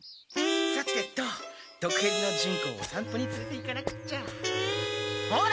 さてとどくへびのジュンコをおさんぽにつれていかなくっちゃ！ほら！